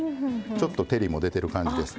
ちょっと照りも出てる感じです。